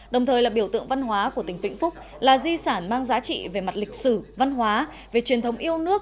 đồng thời là biểu tượng văn hóa của tỉnh vĩnh phúc là di sản mang giá trị về mặt lịch sử văn hóa về truyền thống yêu nước